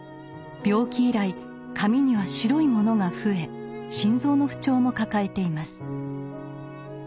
病気以来髪には白いものが増え心臓の不調も抱えています。